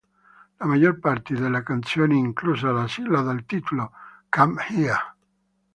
La maggior parte delle canzoni, inclusa la sigla dal titolo "Come Here!